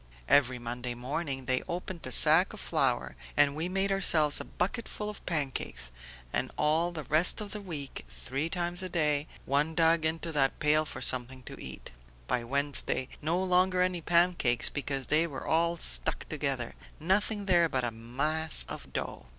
"Every Monday morning they opened a sack of flour and we made ourselves a bucketful of pancakes, and all the rest of the week, three times a day, one dug into that pail for something to eat. By Wednesday, no longer any pancakes, because they were all stuck together; nothing there but a mass of dough.